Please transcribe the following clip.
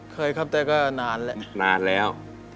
เคยครับแต่ก็นานแล้ว